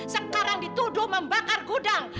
sekarang dituduh membakar gudang